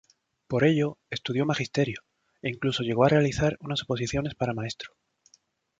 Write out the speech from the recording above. Por ello, estudió Magisterio, e incluso llegó a realizar unas oposiciones para maestro.